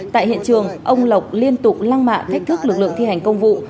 tại hiện trường ông lộc liên tục lăng mạ thách thức lực lượng thi hành công vụ